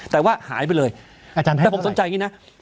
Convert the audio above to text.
แต่ว่าหายไปเลยอาจารย์แต่ผมสนใจอย่างนี้นะ